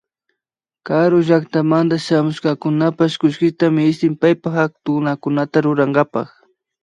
Karu llakatamanta shamushkakunapash kullkita ministin paypa hatunakunata rurankapak